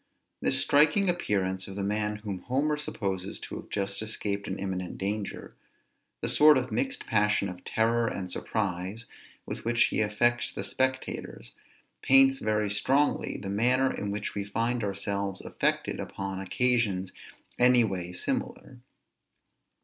This striking appearance of the man whom Homer supposes to have just escaped an imminent danger, the sort of mixed passion of terror and surprise, with which he affects the spectators, paints very strongly the manner in which we find ourselves affected upon occasions any way similar.